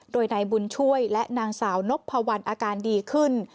โดยนายบุญช่วยและนางสาวนพวันอาการดีขึ้น